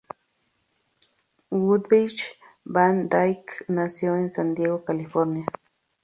Woodbridge Van Dyke nació en San Diego, California.